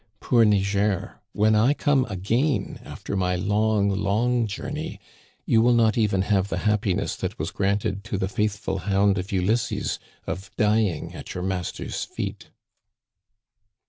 Poor Niger, when I come again after my long, long journey, you will not even have the happiness that was granted to the faithful hound of Ulysses, of dying at your mas ter's feet."